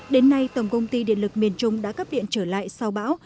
đến nay tổng công ty điện lực miền trung đã cấp điện trở lại sau bão